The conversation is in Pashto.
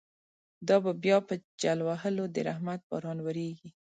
دابه بیا په جل وهلو، درحمت باران وریږی